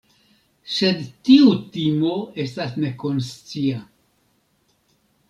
Sed tiu timo estas nekonscia.